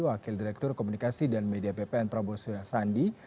wakil direktur komunikasi dan media ppn prabowo surasandi